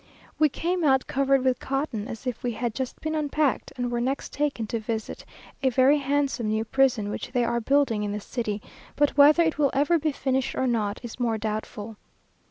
We came out covered with cotton, as if we had been just unpacked, and were next taken to visit a very handsome new prison, which they are building in the city, but whether it will ever be finished, or not, is more doubtful.